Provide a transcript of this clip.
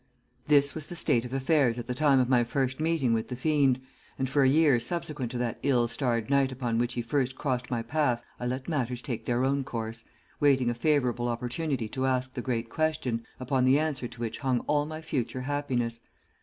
This was the state of affairs at the time of my first meeting with the fiend, and for a year subsequent to that ill starred night upon which he first crossed my path I let matters take their own course, waiting a favourable opportunity to ask the great question, upon the answer to which hung all my future happiness.